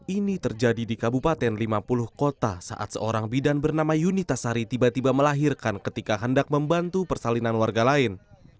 ini terjadi di kabupaten lima puluh kota saat seorang bidan bernama yunita sari tiba tiba melahirkan ketika hendak membantu persalinan warga lain